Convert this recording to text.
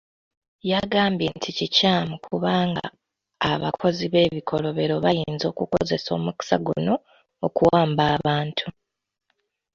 Yagambye nti kikyamu kubanga abakozi b'ebikolobero bayinza okukozesa omukisa guno okuwamba abantu.